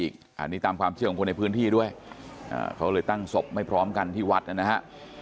ก็เลยตั้งศพให้พร้อมกันที่วัดนะครับ